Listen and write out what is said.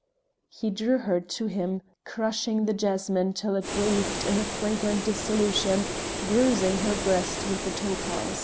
He drew her to him, crushing the jasmine till it breathed in a fragrant dissolution, bruising her breast with the topaz.